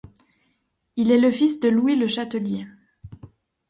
Il est le fils de Louis Le Chatelier.